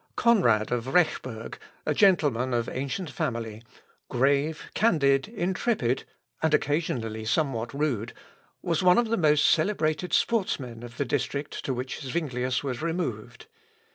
Conrad of Rechberg, a gentleman of ancient family, grave, candid, intrepid, and occasionally somewhat rude, was one of the most celebrated sportsmen of the district to which Zuinglius was removed.